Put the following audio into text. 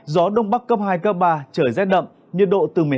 gió đông bắc cấp hai cấp ba trời rét đậm nhiệt độ từ một mươi hai hai mươi một độ